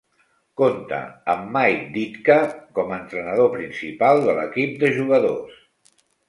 Conta amb Mike Ditka com entrenador principal de l'equip de jugadors.